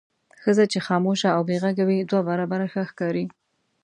ښځه چې خاموشه او بې غږه وي دوه برابره ښه ښکاري.